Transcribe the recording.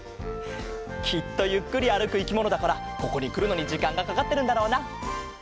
きっとゆっくりあるくいきものだからここにくるのにじかんがかかってるんだろうな。